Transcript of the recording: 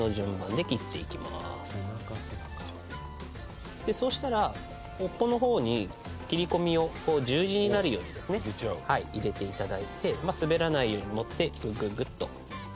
でそうしたら尾っぽの方に切り込みを十字になるようにですね入れて頂いて滑らないように持ってグググッと。